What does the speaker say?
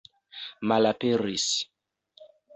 malaperis